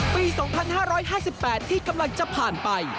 ปี๒๕๕๘ที่กำลังจะผ่านไป